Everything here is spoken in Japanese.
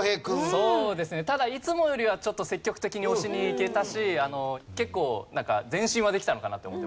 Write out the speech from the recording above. そうですねただいつもよりは積極的に押しにいけたし結構前進はできたのかなって思ってます。